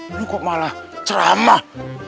ini kok malah ceramah